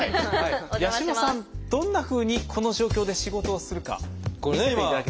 八嶋さんどんなふうにこの状況で仕事をするか見せていただけますか？